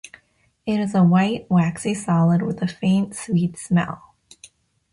It is a white, waxy solid with a faint sweet smell.